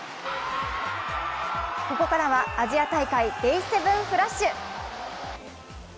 ここからはアジア大会Ｄａｙ７フラッシュ。